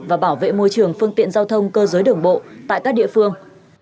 và bảo vệ môi trường phương tiện giao thông cơ giới đường bộ tại các địa phương